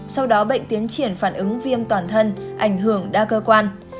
sau đó bệnh tiến triển phản ứng viêm toàn thân ảnh hưởng đa cơ quan